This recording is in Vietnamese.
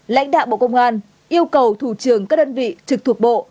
lãnh đạo bộ công an yêu cầu thủ trường các đơn vị trực thuộc bộ